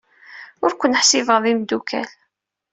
Ur ken-ḥsibeɣ d imeddukal.